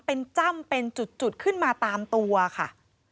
เป็นจ้ำเป็นจุดขึ้นมาตามตัวค่ะ